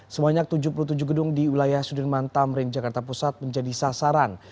sebanyak tujuh puluh tujuh gedung di wilayah sudirman tamrin jakarta pusat menjadi sasaran